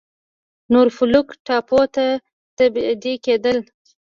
نورفولک ټاپو ته تبعید کېدل.